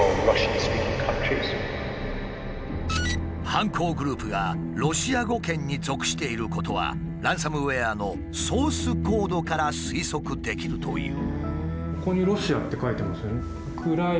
犯行グループがロシア語圏に属していることはランサムウエアのソースコードから推測できるという。